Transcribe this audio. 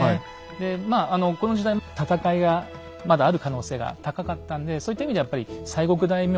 でまあこの時代戦いがまだある可能性が高かったんでそういった意味でやっぱり西国大名